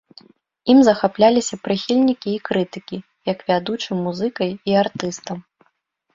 Ім захапляліся прыхільнікі і крытыкі, як вядучым музыкай і артыстам.